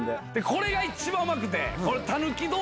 これが一番うまくて。